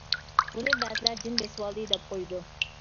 بۇنى بەزىلەر «جىن بېسىۋالدى» دەپ قويىدۇ.